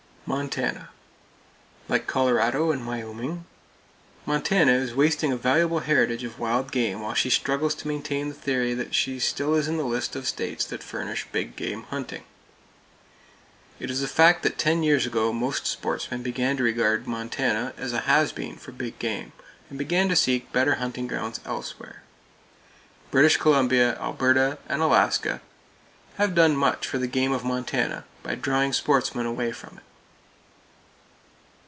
Montana: Like Colorado and Wyoming, Montana is wasting a valuable heritage of wild game while she struggles to maintain the theory that she still is in the list of states that furnish big game hunting. It is a fact that ten years ago most sportsmen began to regard Montana as a has been for big game, and began to seek better hunting grounds elsewhere. British Columbia, Alberta and Alaska have done much for the game of Montana by drawing sportsmen away from it.